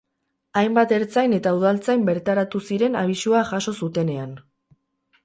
Hainbat ertzain eta udaltzain bertaratu ziren abisua jaso zutenean.